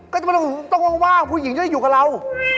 ก็จะต้องว่างผู้หญิงจะอยู่กับเรา